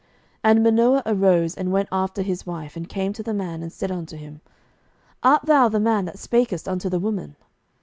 07:013:011 And Manoah arose, and went after his wife, and came to the man, and said unto him, Art thou the man that spakest unto the woman?